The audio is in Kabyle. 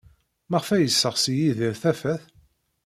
Maɣef ay yesseɣsi Yidir tafat?